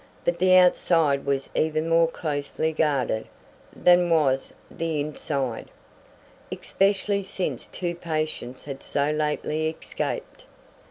But the outside was even more closely guarded than was the inside, especially since two patients had so lately escaped.